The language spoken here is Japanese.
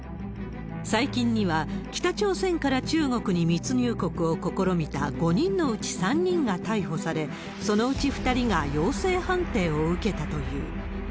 最近には、北朝鮮から中国に密入国を試みた５人のうち３人が逮捕され、そのうち２人が陽性判定を受けたという。